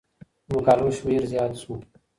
د مقالو شمېر زيات سو.